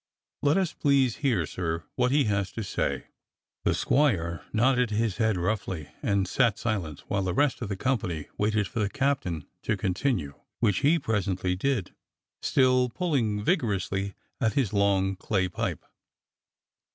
Let us please hear, sir, what he has to say." The squire nodded his head roughly and sat silent, while the rest of the company waited for the captain to continue, which he presently did, still pulling vigor ously at his long clay pipe.